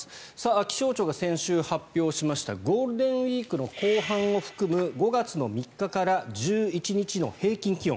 気象庁が先週発表しましたゴールデンウィークの後半を含む５月３日から１１日の平均気温